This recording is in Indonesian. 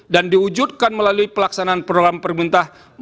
dan diwujudkan melalui pelaksanaan program permintah